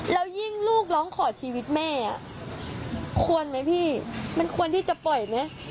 แล้วยิ่งลูกร้องขอชีวิตแม่ควรไหมพี่มันควรที่จะปล่อยไหม